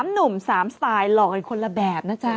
หนุ่ม๓สไตล์หล่อกันคนละแบบนะจ๊ะ